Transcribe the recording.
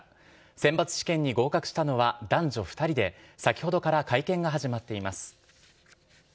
選抜試験に合格したのは、男女２人で、先ほどから会見が始まっています。